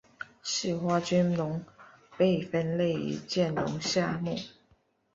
似花君龙被分类于剑龙下目。